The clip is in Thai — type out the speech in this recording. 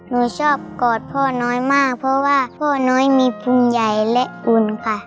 หนูชอบกอดพ่อน้อยมากเพราะว่าพ่อน้อยมีภูมิใหญ่และอุ่นค่ะ